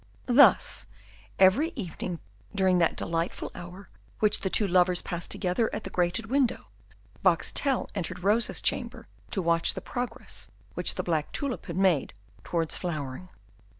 Thus, every evening during that delightful hour which the two lovers passed together at the grated window, Boxtel entered Rosa's chamber to watch the progress which the black tulip had made towards flowering.